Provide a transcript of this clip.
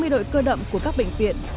hai mươi đội cơ động của các bệnh viện